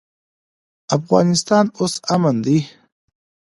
افغانستان اوس امن دی.